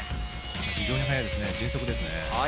非常に早いですね迅速ですねはい